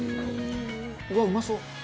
うわっうまそう！